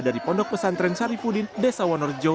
dari pondok pesantren syarifudin desa wanorjo